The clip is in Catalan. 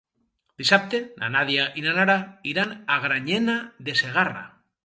Dissabte na Nàdia i na Nara iran a Granyena de Segarra.